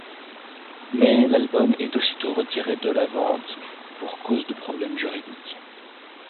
Mais l'album est aussitôt retiré de la vente pour causes de problèmes juridiques.